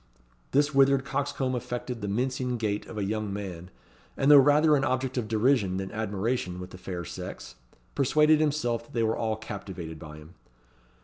This withered coxcomb affected the mincing gait of a young man; and though rather an object of derision than admiration with the fair sex, persuaded himself they were all captivated by him.